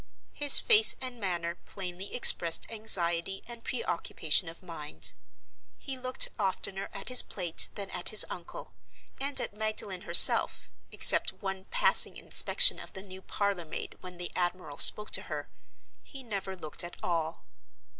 His face and manner plainly expressed anxiety and preoccupation of mind. He looked oftener at his plate than at his uncle, and at Magdalen herself (except one passing inspection of the new parlor maid, when the admiral spoke to her) he never looked at all.